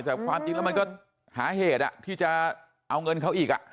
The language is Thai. แต่ความจริงแล้วมันก็หาเหตุที่จะเอาเงินเขาอีก